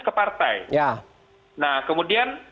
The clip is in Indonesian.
ke partai nah kemudian